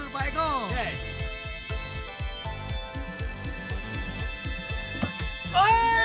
masuk pak eko